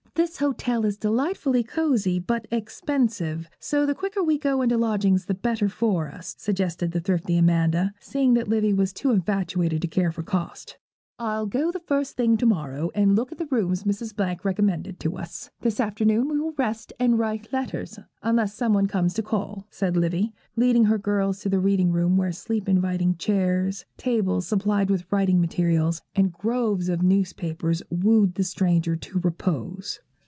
This hotel is delightfully cosy, but expensive; so the quicker we go into lodgings the better for us,' suggested the thrifty Amanda, seeing that Livy was too infatuated to care for cost. 'I'll go the first thing to morrow and look at the rooms Mrs. Blank recommended to us. This afternoon we will rest and write letters, unless some one comes to call,' said Livy, leading her girls to the reading room, where sleep inviting chairs, tables supplied with writing materials, and groves of newspapers, wooed the stranger to repose.